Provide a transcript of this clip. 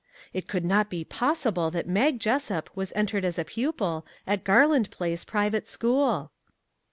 It could not be possible that Mag Jessup was entered as a pupil at Garland Place private school!